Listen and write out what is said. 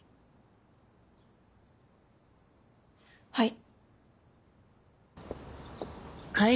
はい。